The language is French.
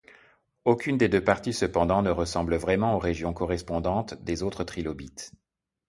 Aucune des deux parties cependant ne ressemble vraiment aux régions correspondantes des autres trilobites.